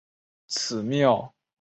此庙位于国立交通大学北大门前。